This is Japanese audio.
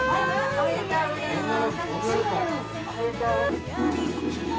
・おめでとうございます。